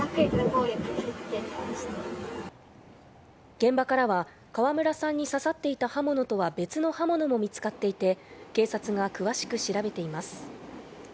現場からは川村さんに刺さっていた刃物とは別の刃物も見つかっていて警察が詳しく調べています。